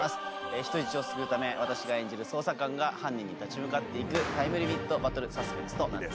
人質を救うため私が演じる捜査官が犯人に立ち向かって行くタイムリミットバトルサスペンスとなっています。